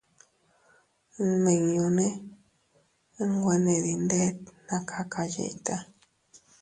Nmiñune nwene dindet naa kakayiʼta.